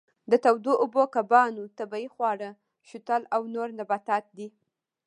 د تودو اوبو کبانو طبیعي خواړه شوتل او نور نباتات دي.